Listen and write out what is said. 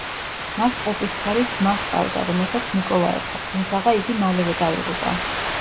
მას ტყუპისცალი ძმა ჰყავდა, რომელსაც ნიკოლა ერქვა, თუმცაღა იგი მალევე დაიღუპა.